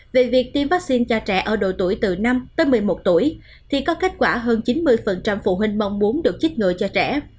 chích vaccine cho trẻ ở độ tuổi từ năm một mươi một tuổi thì có kết quả hơn chín mươi phụ huynh mong muốn được chích ngừa cho trẻ